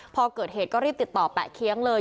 พอเกิดเหตุก็รีบติดต่อแปะเคี้ยงเลย